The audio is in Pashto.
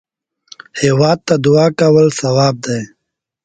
هېواد ته دعا کول ثواب دی